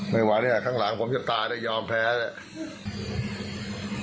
ไม่ว่าข้างหลังผมจะตายยอมแพ้เลย